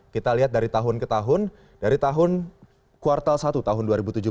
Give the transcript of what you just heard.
kita lihat dari tahun ke tahun dari tahun kuartal satu tahun dua ribu tujuh belas